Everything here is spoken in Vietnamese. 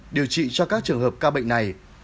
hội trợ điều trị cho các trường hợp ca bệnh này